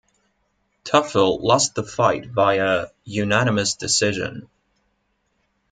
Toughill lost the fight via unanimous decision.